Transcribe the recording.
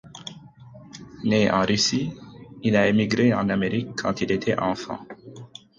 Né en Russie, il a émigré en Amérique quand il était enfant.